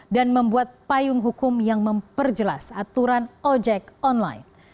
dan membuat payung hukum yang memperjelas aturan ojek online